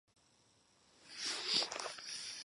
There once was a school where the park is currently located.